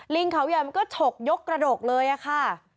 ลิงเขาใหญ่มันก็ฉกยกกระดกเลยอะค่ะ